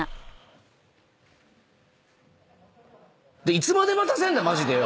いつまで待たせんだよ